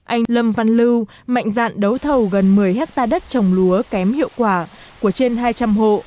anh lâm văn lưu mạnh dạn đấu thầu gần một mươi hectare đất trồng lúa kém hiệu quả của trên hai trăm linh hộ